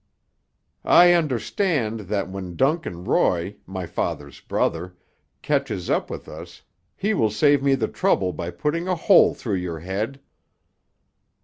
"I understand that when Duncan Roy, my father's brother, catches up with us he will save me the trouble by putting a hole through your head."